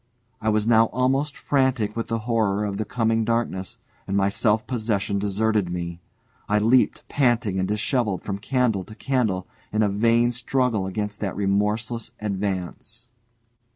I was now almost frantic with the horror of the coming darkness, and my self possession deserted me. I leaped panting and dishevelled from candle to candle, in a vain struggle against that remorseless advance.